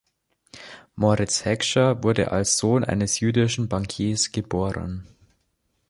Moritz Heckscher wurde als Sohn eines jüdischen Bankiers geboren.